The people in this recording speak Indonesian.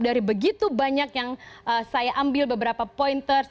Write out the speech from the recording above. dari begitu banyak yang saya ambil beberapa pointers